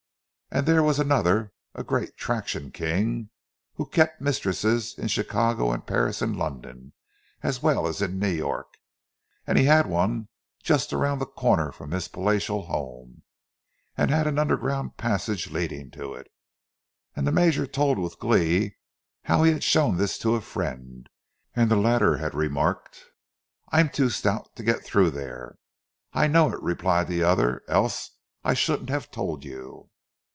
And there was another, a great traction king, who kept mistresses in Chicago and Paris and London, as well as in New York; he had one just around the corner from his palatial home, and had an underground passage leading to it. And the Major told with glee how he had shown this to a friend, and the latter had remarked, "I'm too stout to get through there."—"I know it," replied the other, "else I shouldn't have told you!"